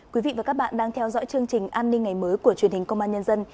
quý vị và các bạn đang theo dõi chương trình an ninh ngày mới của truyền hình công an nhân dân